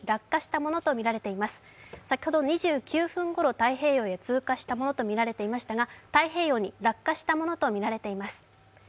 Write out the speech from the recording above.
先ほど２９分ごろ、太平洋へ通過したものとみられていましたが、太平洋に落下したものとみられています。